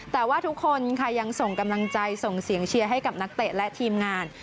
แต่ว่าทุกคนค่ะยังส่งกำลังใจส่งเสียงเชียร์ให้กับนักเตะและทีมงาน